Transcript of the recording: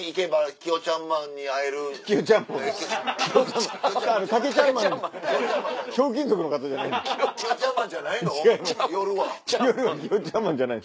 キヨちゃんマンじゃないです。